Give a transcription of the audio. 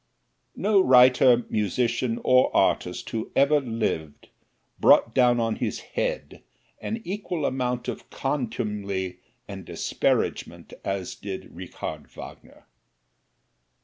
No writer, musician or artist who ever lived brought down on his head an equal amount of contumely and disparagement as did Richard Wagner.